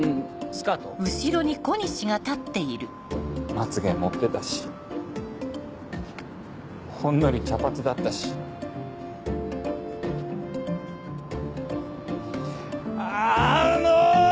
まつげ盛ってたしほんのり茶髪だったしあの！